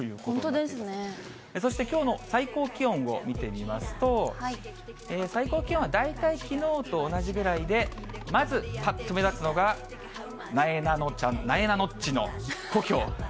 そしてきょうの最高気温を見てみますと、最高気温は大体きのうと同じぐらいで、まずぱっと目立つのが、なえなのちゃん、なえなのっちの故郷。